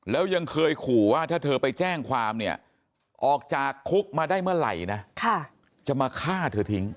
แล้วยังเคยขู่ว่าถ้าเธอไปแจ้งความเนี่ยออกจากคุกมาได้เมื่อไหร่นะจะมาฆ่าเธอทิ้ง